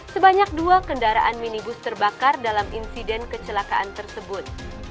sebanyak dua kendaraan minibus terbakar dalam insiden kecelakaan tersebut